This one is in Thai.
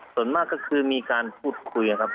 ส่วนมากก็คือมีการพูดคุยครับ